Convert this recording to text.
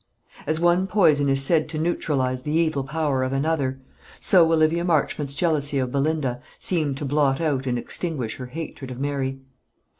As one poison is said to neutralise the evil power of another, so Olivia Marchmont's jealousy of Belinda seemed to blot out and extinguish her hatred of Mary.